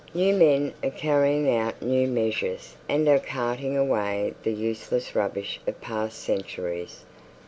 'New men are carrying out new measures, and are eating away the useless rubbish of past centuries.'